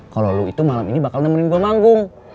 kalau lo itu malam ini bakal nemenin gue om agung